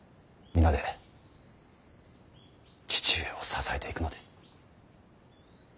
皆で父上を支えていくのです。